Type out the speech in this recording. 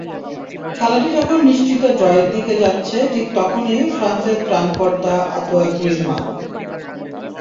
খেলাটি যখন নিশ্চিত ড্রয়ের দিকে যাচ্ছে, ঠিক তখনই ফ্রান্সের ত্রাণকর্তা আতোয়াঁ গ্রিজমান।